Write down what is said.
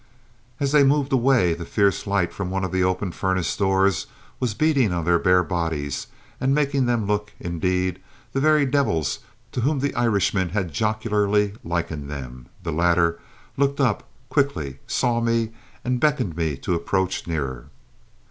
As they moved away, the fierce light from one of the open furnace doors was beating on their bare bodies and making them look, indeed, the very devils to whom the Irishman had jocularly likened them; the latter looked up quickly, saw me, and beckoned me to approach nearer.